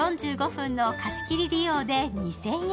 ４５分の貸し切り利用で２０００円。